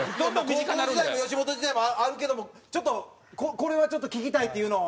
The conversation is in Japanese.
高校時代も吉本時代もあるけどもこれはちょっと聞きたいっていうのを。